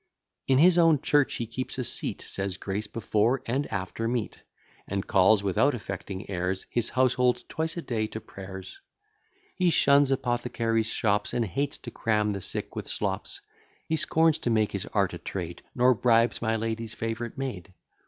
In his own church he keeps a seat; Says grace before and after meat; And calls, without affecting airs, His household twice a day to prayers. He shuns apothecaries' shops, And hates to cram the sick with slops: He scorns to make his art a trade; Nor bribes my lady's favourite maid.